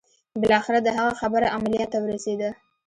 بالاخره د هغه خبره عمليات ته ورسېده.